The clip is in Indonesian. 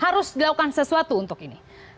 harus dilakukan sesuatu untuk ini